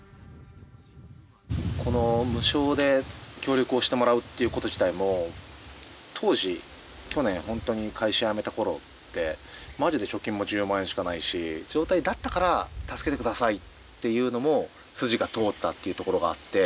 無償で協力をしてもらうっていうこと自体も当時去年本当に会社辞めたころってマジで貯金も１０万円しかないし状態だったから「助けてください」っていうのも筋が通ったっていうところがあって。